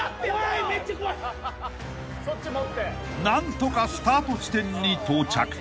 ［何とかスタート地点に到着］